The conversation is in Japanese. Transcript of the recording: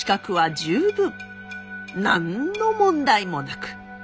何の問題もなく。